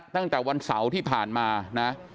ตั้งแต่วันเสาร์ที่ผ่านมานะ